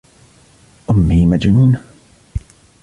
أمي مجنونة